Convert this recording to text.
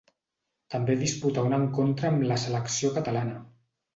També disputà un encontre amb la selecció catalana.